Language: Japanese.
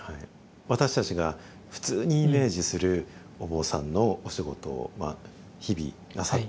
私たちが普通にイメージするお坊さんのお仕事を日々なさってるわけですよね。